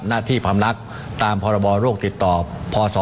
หน้าที่พรรมนักตามพรโรคติดต่อพศ๒๕๕๘